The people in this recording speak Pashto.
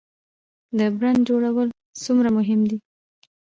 د برنډ جوړول څومره مهم دي؟